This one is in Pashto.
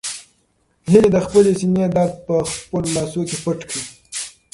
هیلې د خپلې سېنې درد په خپلو لاسو کې پټ کړ.